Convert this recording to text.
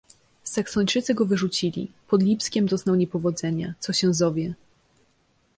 "Saksończycy go wyrzucili, pod Lipskiem doznał niepowodzenia, co się zowie!"